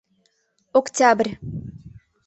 ОКТЯБРЬ